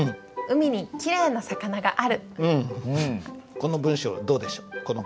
この文章どうでしょう？